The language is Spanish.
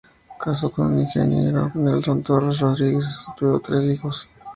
Casó con el ingeniero Nelson Torres Rodríguez y tuvo tres hijos.